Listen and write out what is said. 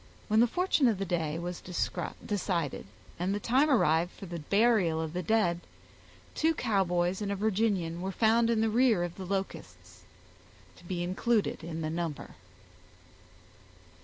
When the fortune of the day was decided, and the time arrived for the burial of the dead, two Cowboys and a Virginian were found in the rear of the Locusts, to be included in the number.